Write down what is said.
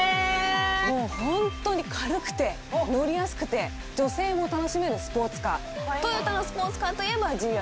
もうホントに軽くて乗りやすくて女性も楽しめるスポーツカートヨタのスポーツカーといえばＧＲ８６